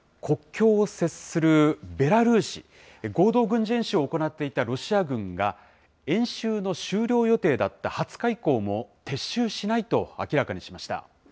国境を接するベラルーシ、合同軍事演習を行っていたロシア軍が、演習の終了予定だった２０日以降も撤収しないと明らかにしました。